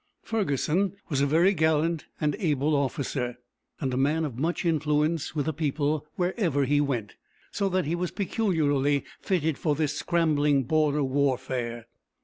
Ferguson was a very gallant and able officer, and a man of much influence with the people wherever he went, so that he was peculiarly fitted for this scrambling border warfare.